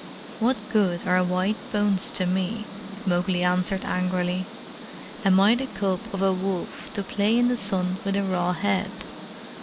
"What good are white bones to me?" Mowgli answered angrily. "Am I the cub of a wolf to play in the sun with a raw head?